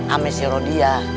ame si rodi ya